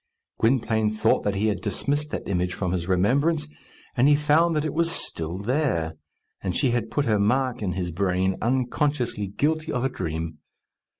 Gwynplaine thought that he had dismissed that image from his remembrance, and he found that it was still there; and she had put her mark in his brain, unconsciously guilty of a dream.